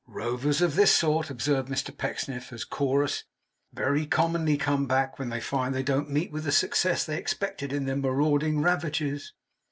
'Rovers of this sort,' observed Mr Pecksniff, as Chorus, 'very commonly come back when they find they don't meet with the success they expected in their marauding ravages.